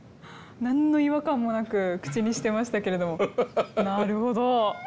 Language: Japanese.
何の違和感もなく口にしてましたけれどもなるほど。